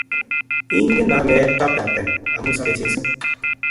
Igen name tabtabten amu sabei Jesu